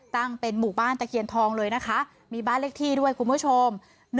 ตั้งเป็นหมู่บ้านตะเคียนทองเลยนะคะมีบ้านเลขที่ด้วยคุณผู้ชม